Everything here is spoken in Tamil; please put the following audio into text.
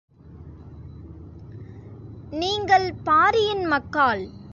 நீங்கள் பாரியின் மக்காள்!